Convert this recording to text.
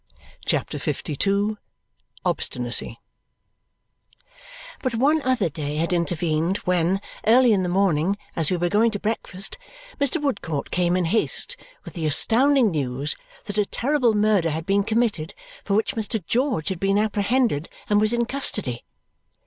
CHAPTER LII Obstinacy But one other day had intervened when, early in the morning as we were going to breakfast, Mr. Woodcourt came in haste with the astounding news that a terrible murder had been committed for which Mr. George had been apprehended and was in custody.